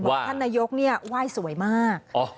ว่าท่านนายกเนี่ยว่ายสวยมาก